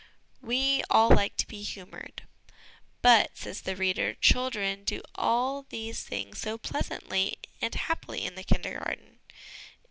We aU like to be Humoured. ' But,' says the reader, 'children do all these things so pleasantly and happily in the Kindergarten!'